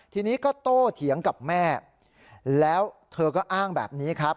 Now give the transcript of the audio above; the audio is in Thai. ทีนี้ก็โตเถียงกับแม่แล้วเธอก็อ้างแบบนี้ครับ